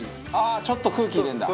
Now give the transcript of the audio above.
ちょっと空気入れるんだ。